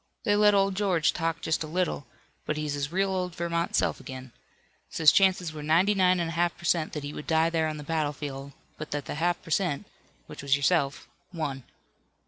They let old George talk just a little, but he's his real old Vermont self again. Says chances were ninety nine and a half per cent that he would die there on the battlefield, but that the half per cent, which was yourself, won.